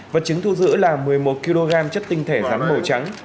vật chứng thu giữ là một mươi một kg chất tinh thể rắn màu trắng